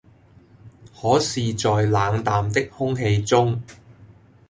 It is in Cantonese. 可是在冷淡的空氣中，